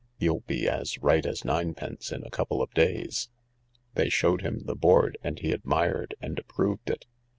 You'll be as right as ninepence in a couple of days." They showed him the board and he admired and approved it.